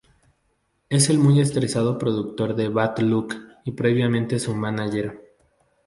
Es el muy estresado productor de Bad Luck y previamente su mánager.